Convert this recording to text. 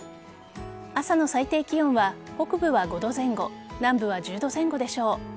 朝の最低気温は北部は５度前後南部は１０度前後でしょう。